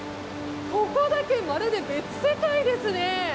ここだけまるで別世界ですね。